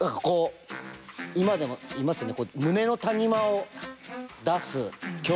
今でもいますよね